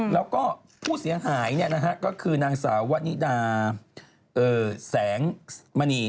แล้วก็ผู้เสียงหายนะครับก็คือนางสาววอลิน่าแสงตุมันี